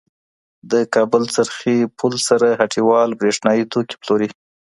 د کابل څرخې پل سره هټیوال بریښنایې توکې پلوری.